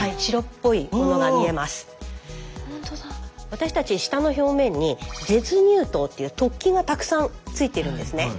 私たち舌の表面に舌乳頭っていう突起がたくさんついてるんですね。